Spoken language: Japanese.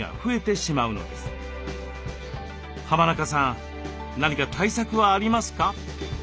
浜中さん何か対策はありますか？